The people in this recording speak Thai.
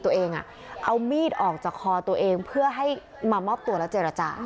ตัวเองเอามีดออกจากคอตัวเองเพื่อให้มามอบตัวแล้วเจรจา